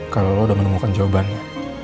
kalau lo udah menemukan jawabannya